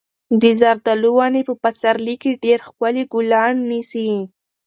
د زردالو ونې په پسرلي کې ډېر ښکلي ګلان نیسي.